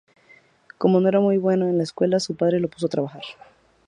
Como no era muy bueno en la escuela, su padre lo puso a trabajar.